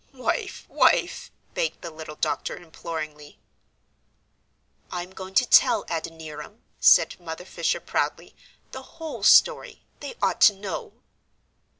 "Wife wife," begged the little doctor, imploringly. "I'm going to tell, Adoniram," said Mother Fisher, proudly, "the whole story; they ought to know."